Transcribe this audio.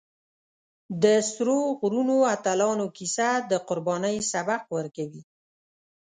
د سرو غرونو اتلانو کیسه د قربانۍ سبق ورکوي.